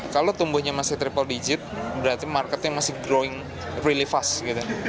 kalau tumbuhnya masih triple digit berarti marketnya masih growing really fast gitu